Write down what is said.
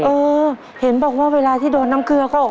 เออเห็นบอกว่าเวลาที่โดนน้ำเกลือเขา